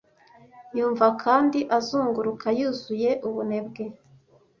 yumva kandi azunguruka yuzuye ubunebwe